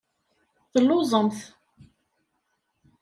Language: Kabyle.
Telluẓemt.